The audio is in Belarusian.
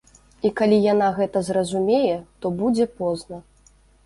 І калі яна гэта зразумее, то будзе позна.